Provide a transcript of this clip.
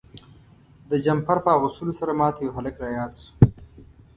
د جمپر په اغوستلو سره ما ته یو هلک را په یاد شو.